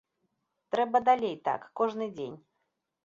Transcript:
Трэба далей так, кожны дзень.